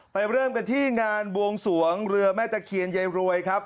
เริ่มกันที่งานบวงสวงเรือแม่ตะเคียนยายรวยครับ